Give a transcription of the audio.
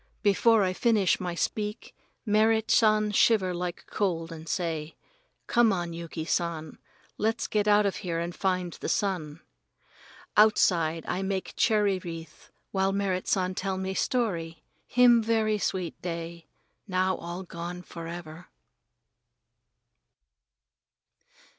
Before I finish my speak Merrit San shiver like cold and say, "Come on, Yuki San, let's get out of here and find the sun." Outside I make cherry wreath while Merrit San tell me story. Him very sweet day now all gone forever.